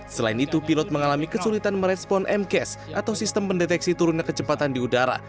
selain itu pilot mengalami kesulitan merespon mcas atau sistem pendeteksi turunnya kecepatan di udara